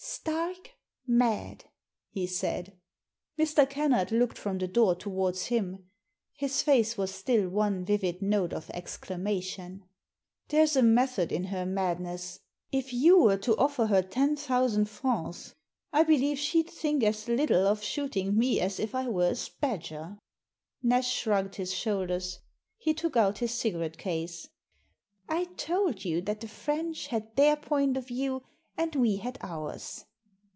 ..." Stark mad," he said. Mr. Kennard looked from the door towards him — his face was still one vivid note of exclamation. There's a method in her madness. If you were to offer her ten thousand francs I believe she'd think as little of shooting me as if I were a spadger !" Nash shrugged his shoulders; he took out his cigarette case. "I told you that the French had their point of view and we had ours."